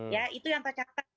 ya itu yang tercatat